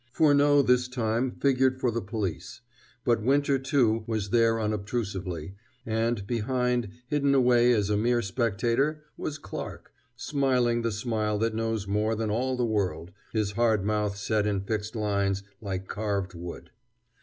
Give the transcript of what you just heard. Furneaux, this time, figured for the police; but Winter, too, was there unobtrusively; and, behind, hidden away as a mere spectator, was Clarke, smiling the smile that knows more than all the world, his hard mouth set in fixed lines like carved wood.